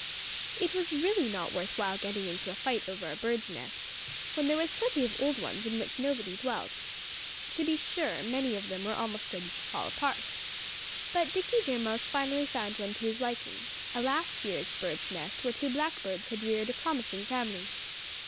It was really not worth while getting into a fight over a bird's nest, when there was plenty of old ones in which nobody dwelt. To be sure, many of them were almost ready to fall apart. But Dickie Deer Mouse finally found one to his liking a last year's bird's nest where two Blackbirds had reared a promising family.